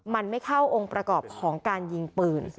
มันไม่เข้าองค์ประกอบของการยิงปืน